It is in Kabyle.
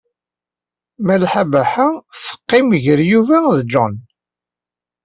Malḥa Baḥa teqqim gar Yuba d John.